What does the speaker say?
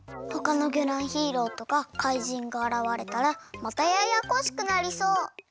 ほかのぎょらんヒーローとか怪人があらわれたらまたややこしくなりそう。